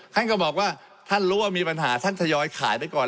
ท่านก็บอกว่าท่านรู้ว่ามีปัญหาท่านทยอยขายไปก่อน